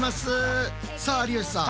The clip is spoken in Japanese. さあ有吉さん